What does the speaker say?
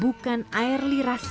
bukan air lirah sinar